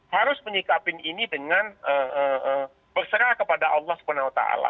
harus menyikapin ini dengan berserah kepada allah swt